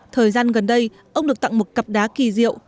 thời gian gần đây ông được tặng một cặp đá kỳ diệu